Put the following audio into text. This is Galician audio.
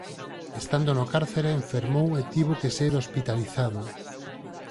Estando no cárcere enfermou e tivo que ser hospitalizado.